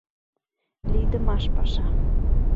Лийдымаш паша!